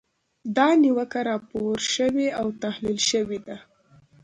دا نیوکه راپور شوې او تحلیل شوې ده.